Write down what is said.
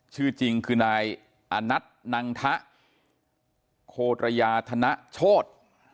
ชื่อจริงคือนายอานัทนังทะโคตรยาธนโชธ